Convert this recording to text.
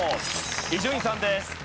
伊集院さんです。